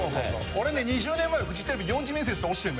「俺ね２０年前フジテレビ四次面接で落ちてんのよ」